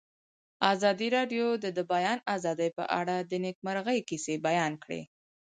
ازادي راډیو د د بیان آزادي په اړه د نېکمرغۍ کیسې بیان کړې.